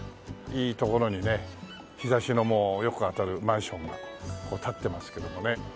いい所にね日差しのもうよく当たるマンションが建ってますけどもね。